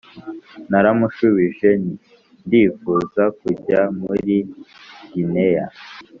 Naramushubije nti ndifuza kujya muri Gineya